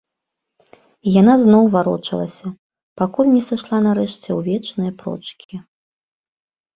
І яна зноў варочалася, пакуль не сышла нарэшце ў вечныя прочкі.